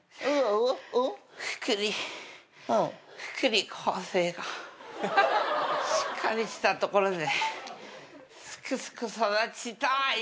福利福利厚生がしっかりしたところですくすく育ちたい。